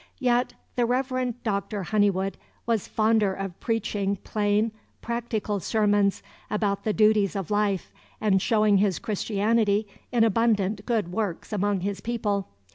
Yet the Reverend Dr. Honeywood was fonder of preaching plain, practical sermons about the duties of life, and showing his Christianity in abundant good works among his people.